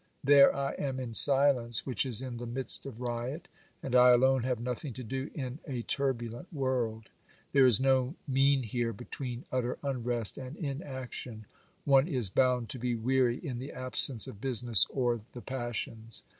There I am in silence which is in the midst of riot, and I alone have nothing to do in a turbu lent world. There is no mean here between utter unrest 48 OBERMANN and inaction ; one is bound to be weary in the absence of business or the passions.